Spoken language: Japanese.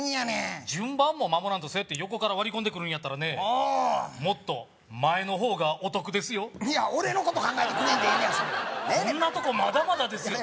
順番も守らんとそうやって横から割り込んでくるんやったらもっと前の方がお得ですよいや俺のこと考えてくれんでええねやそれこんなとこまだまだですよ